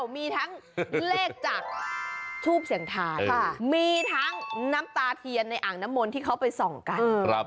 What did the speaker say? มีทั้งเลขจากทูบเสียงทายมีทั้งน้ำตาเทียนในอ่างน้ำมนที่เขาไปส่องกัน